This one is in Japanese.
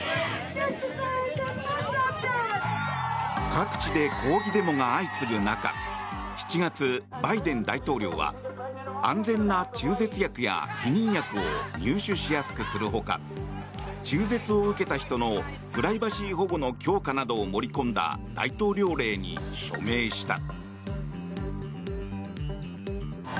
各地で抗議デモが相次ぐ中７月、バイデン大統領は安全な中絶薬や避妊薬を入手しやすくする他中絶を受けた人のプライバシー保護の強化などを盛り込んだ大統領令に署名した。